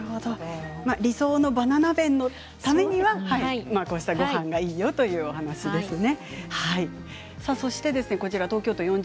理想のバナナ便のためにはこうしたごはんがいいということですね。